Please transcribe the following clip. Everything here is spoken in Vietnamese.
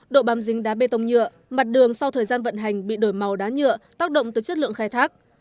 độ băm dính đá bê tông nhựa mặt đường sau thời gian vận hành bị đổi màu đá nhựa tác động tới chất lượng khai thác